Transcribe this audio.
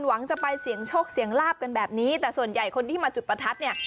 หวังจะไปเสี่ยงโชคเสียงลาบกันแบบนี้แต่ส่วนใหญ่คนที่มาจุดประทัดเนี่ย